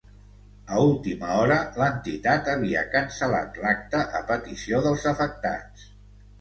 A última hora, l’entitat havia cancel·lat l’acte a petició dels afectats.